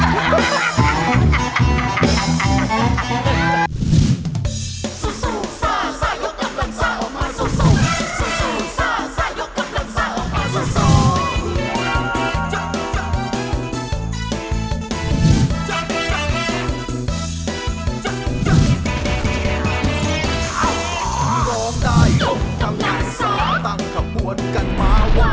ร้องได้ยกกำลังซ่าตั้งขบวนกันมาวันนี้ล่ะ